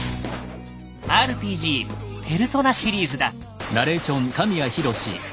ＲＰＧ「ペルソナ」シリーズだ。